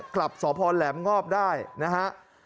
กลับสอบภอนแหลมงอบได้นะฮะ